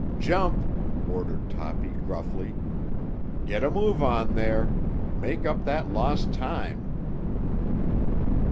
"Jump!" ordered Toppy gruffly. "Get a move on there; make up that lost time."